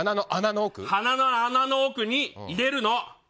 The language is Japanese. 鼻の奥に入れるの！